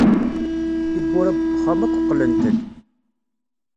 Tiwwura n wexxam akk qqlent-d.